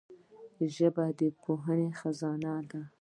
ژبه د پوهي خزانه ده.